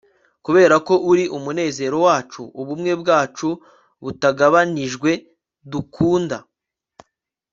kuberako uri umunezero wacu, ubumwe bwacu butagabanijwe dukunda